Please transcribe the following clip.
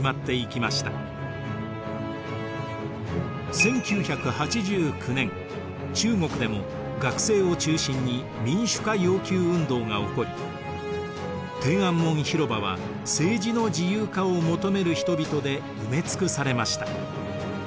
１９８９年中国でも学生を中心に民主化要求運動が起こり天安門広場は政治の自由化を求める人々で埋め尽くされました。